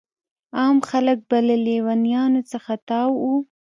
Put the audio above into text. عام خلک به له لیونیانو څخه تاو وو.